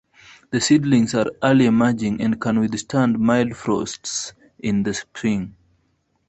The seedlings are early emerging and can withstand mild frosts in the spring.